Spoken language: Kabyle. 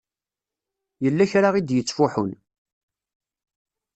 Yella kra i d-yettfuḥun.